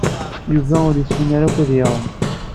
Yuba ur yessin akk ad iɛum.